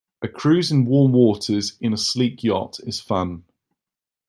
A cruise in warm waters in a sleek yacht is fun.